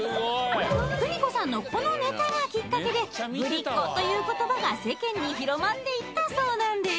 邦子さんのこのネタがきっかけでぶりっ子という言葉が世間に広まっていったそうなんです